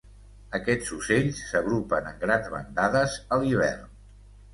Aquests ocells s'agrupen en grans bandades a l'hivern.